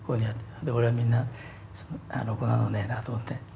俺はみんなろくなのねえなと思って。